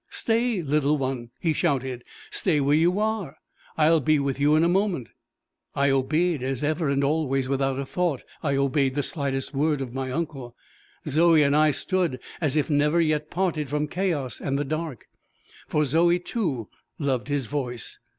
"Stay, little one," he shouted; "stay where you are. I will be with you in a moment." I obeyed, as ever and always without a thought I obeyed the slightest word of my uncle: Zoe and I stood as if never yet parted from chaos and the dark, for Zoe too loved his voice.